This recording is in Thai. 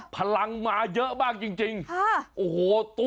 พลังมาเยอะมากจริงซิ